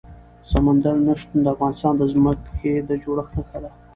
سمندر نه شتون د افغانستان د ځمکې د جوړښت نښه ده.